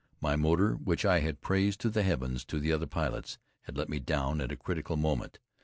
My motor, which I had praised to the heavens to the other pilots, had let me down at a critical moment.